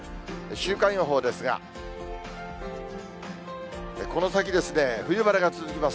週間予報ですが、この先ですね、冬晴れが続きます。